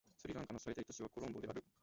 スリランカの最大都市はコロンボである